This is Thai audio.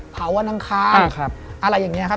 เผาวนางค้าอะไรอย่างนี้ครับ